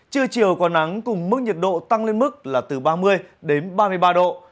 trưa chiều có nắng cùng mức nhiệt độ tăng lên mức là từ ba mươi đến ba mươi ba độ